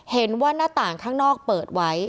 เห็นว่านาต่างข้างนอกเปิดไว้